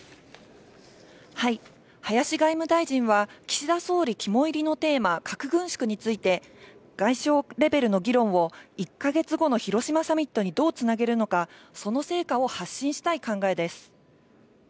林外務大臣は岸田総理肝いりのテーマ・核軍縮について、外相レベルの議論を１か月後の広島サミットにどうつなげるのか、その成果を発信したい考えです。